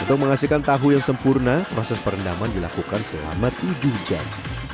untuk menghasilkan tahu yang sempurna proses perendaman dilakukan selama tujuh jam